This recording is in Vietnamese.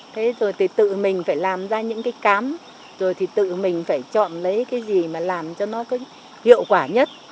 thế rồi thì tự mình phải làm ra những cái cám rồi thì tự mình phải chọn lấy cái gì mà làm cho nó hiệu quả nhất